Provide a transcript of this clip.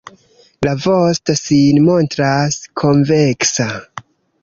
La vosto sin montras konveksa.